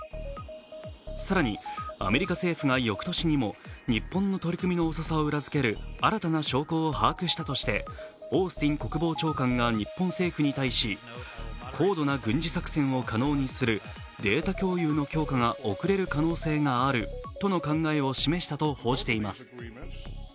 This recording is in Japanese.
更にアメリカ政府が翌年にも日本の取り組みの遅さを裏付ける新たな証拠を把握したとしてオースティン国防長官が日本政府に対し、高度な軍事作戦を可能にするデータ共有の強化が遅れる可能性があるとの考えを示したと報じています。